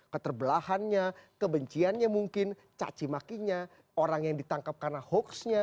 keterbelahannya kebenciannya mungkin cacimakinya orang yang ditangkap karena hoaxnya